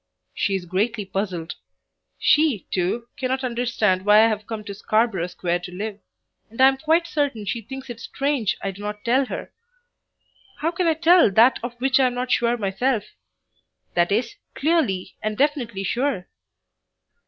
She is greatly puzzled. She, too, cannot understand why I have come to Scarborough Square to live, and I am quite certain she thinks it strange I do not tell her. How can I tell that of which I am not sure myself that is, clearly and definitely sure?